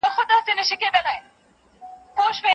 هغه ستونزي چي مخکي وې اوس د څېړنو له لاري حل سوي دي.